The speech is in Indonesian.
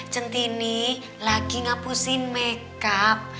centini lagi ngapusin makeup